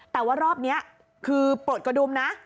แต่ว่ารอบนี้คือปลดกระดุมนะ